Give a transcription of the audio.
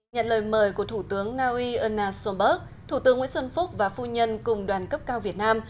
nhận lời mời của thủ tướng naui erna sonberg thủ tướng nguyễn xuân phúc và phu nhân cùng đoàn cấp cao việt nam